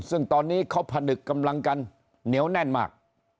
ซึ่งตอนนี้เขาผนึกกำลังกันเหนียวแน่นมาก